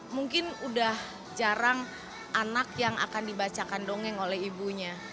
mungkin udah jarang anak yang akan dibacakan dongeng oleh ibunya